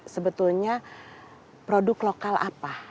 sebetulnya produk lokal apa